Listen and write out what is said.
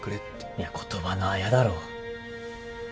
いや言葉のあやだろ。